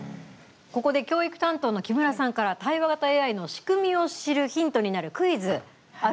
ここで教育担当の木村さんから対話型ＡＩの仕組みを知るヒントになるクイズあるそうですね。